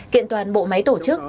kiện toàn bộ máy tổ chức